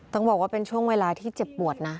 ต้องบอกว่าเป็นช่วงเวลาที่เจ็บปวดนะ